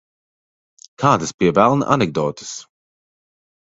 Kādas, pie velna, anekdotes?